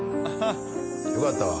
よかったわ。